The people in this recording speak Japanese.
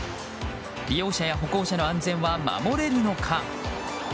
利用者や歩行者の安全は守れるのか。